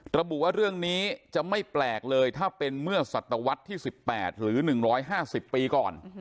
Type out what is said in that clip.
ระบุว่าเรื่องนี้จะไม่แปลกเลยถ้าเป็นเมื่อสัตวัตรที่สิบแปดหรือหนึ่งร้อยห้าสิบปีก่อน